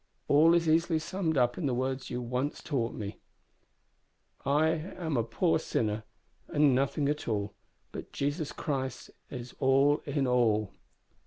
All is easily summed up in the words you once taught me, `I am a poor sinner, and nothing at all, but Jesus Christ is all in all.'